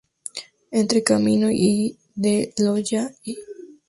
Entre Camino de Loyola y Av.